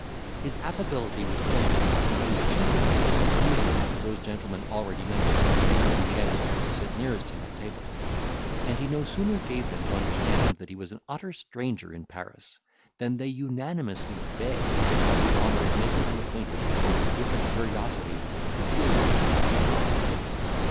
His affability was general but his chief attention limited to those gentlemen already mentioned, who chanced to sit nearest him at table; and he no sooner gave them to understand that he was an utter stranger in Paris, than they unanimously begged to have the honour of making him acquainted with the different curiosities peculiar to that metropolis.